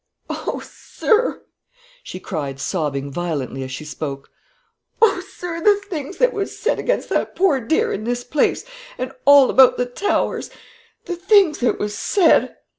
"O sir," she said, sobbing violently as she spoke, "O sir, the things that was said against that poor dear in this place and all about the Towers! The things that was said!